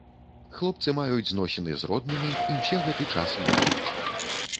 Хлопцы маюць зносіны з роднымі, і ўсе гэты час ведаюць.